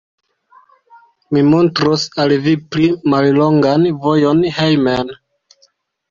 Mi montros al vi pli mallongan vojon hejmen.